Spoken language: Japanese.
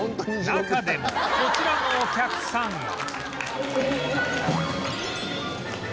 中でもこちらのお客さんは